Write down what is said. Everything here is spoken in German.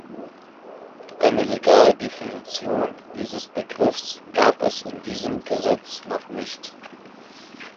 Eine Legaldefinition dieses Begriffs gab es in diesem Gesetz noch nicht.